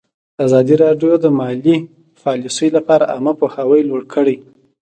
ازادي راډیو د مالي پالیسي لپاره عامه پوهاوي لوړ کړی.